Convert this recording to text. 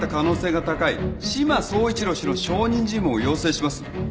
志摩総一郎氏の証人尋問を要請します